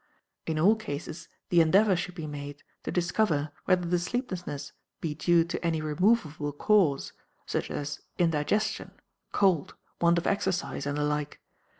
In all cases the endeavour should be made to discover whether the sleeplessness be due to any removable cause such as indigestion, cold, want of exercise, and the like.